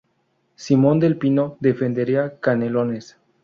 Simón del Pino defendería Canelones.